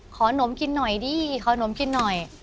หนมกินหน่อยดิขอนมกินหน่อย